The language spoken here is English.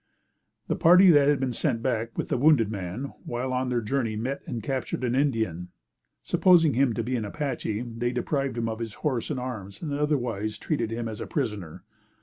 The party that had been sent back with the wounded man, while on their journey met and captured an Indian. Supposing him to be an Apache, they deprived him of his horse and arms and otherwise treated him as a prisoner.